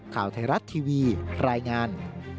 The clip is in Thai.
ข่าวไทยรัฐทีวีรายงาน